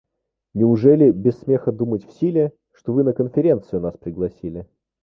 Неужели без смеха думать в силе, что вы на конференцию нас пригласили?